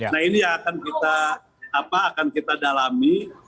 nah ini yang akan kita dalami